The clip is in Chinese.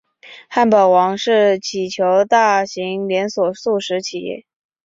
汉堡王是全球大型连锁速食企业。